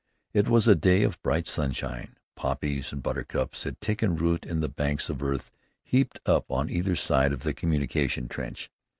It was a day of bright sunshine. Poppies and buttercups had taken root in the banks of earth heaped up on either side of the communication trench.